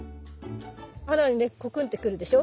花にねコクンって来るでしょ。